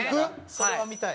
それは見たい。